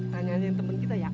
nanyain temen kita ya